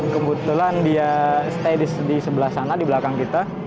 kebetulan dia stadis di sebelah sana di belakang kita